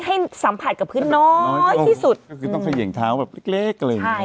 ให้สัมผัสกับพื้นน้อยที่สุดก็คือต้องเขย่งเท้าแบบเล็กเล็กอะไรอย่างเงี้